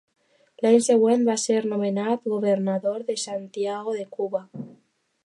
L'any següent va ser nomenat governador de Santiago de Cuba.